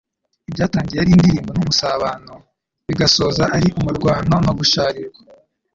Ibyatangiye ari indirimbo n'umusabano, bigasoza ari umuruaniro no gusharirirwa.